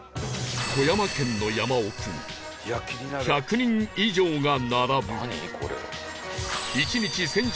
富山県の山奥に１００人以上が並ぶ１日１０００